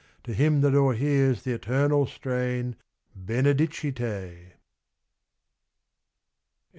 To him that o'erhears the Eternal strain, Benedicite ?